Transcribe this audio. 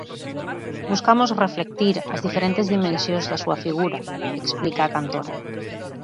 Buscamos reflectir as diferentes dimensións da súa figura, explica a cantora.